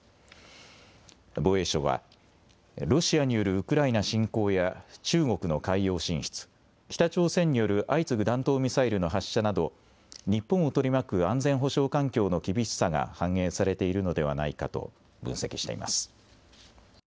防衛省はロシアによるウクライナ侵攻や中国の海洋進出、北朝鮮による相次ぐ弾道ミサイルの発射など日本を取り巻く安全保障環境の厳しさが反映されているのではないかと分析しています。